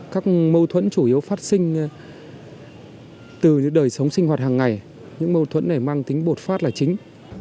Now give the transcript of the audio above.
các mâu thuẫn chủ yếu phát sinh từ đời sống sinh hoạt hàng ngày những mâu thuẫn này mang tính bột phát là chính